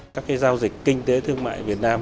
các giao dịch kinh tế thương mại việt nam